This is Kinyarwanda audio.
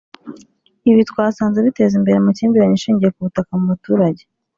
ibi twasanze biteza amakimbirane ashingiye ku butaka mu baturage